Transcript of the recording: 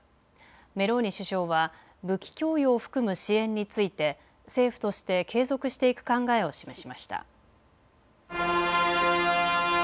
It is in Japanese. メローニ首相は武器供与を含む支援について政府として継続していく考えを示しました。